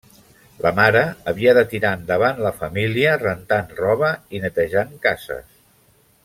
La mare havia de tirar endavant la família rentant roba i netejant cases.